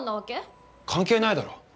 関係ないだろ。